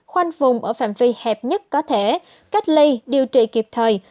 khoanh vùng ở phạm vi hẹp nhất có thể cách ly điều trị kịp thời